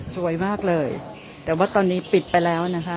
สวยมากเลยแต่ว่าตอนนี้ปิดไปแล้วนะคะ